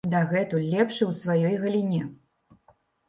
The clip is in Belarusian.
Дагэтуль лепшы ў сваёй галіне.